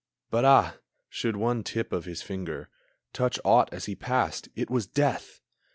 But, ah, should one tip of his finger Touch aught as he passed, it was death!